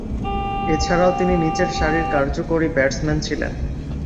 এছাড়াও তিনি নিচের সারির কার্যকরী ব্যাটসম্যান ছিলেন।